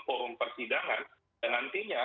forum persidangan dan nantinya